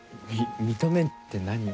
認めんって何を？